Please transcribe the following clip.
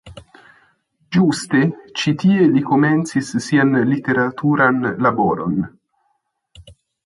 Ĝuste ĉi tie li komencis sian literaturan laboron.